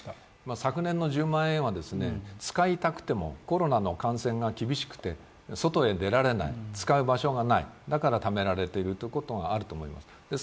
昨年の１０万円は使いたくてもコロナの感染が厳しくて外へ出られない、使う場所がないだからためられているということがあると思うんです。